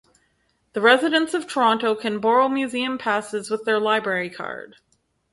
The residents of Toronto can borrow museum passes with their library card.